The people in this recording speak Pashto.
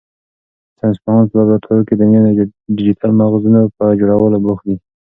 ساینس پوهان په لابراتوار کې د نویو ډیجیټل مغزونو په جوړولو بوخت دي.